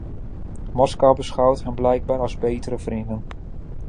Moskou beschouwt hen blijkbaar als betere vrienden.